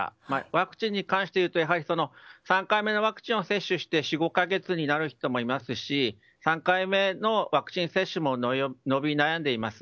ワクチンに関して言うと３回目のワクチンを接種して４５か月になる人もいますし３回目のワクチン接種も伸び悩んでいます。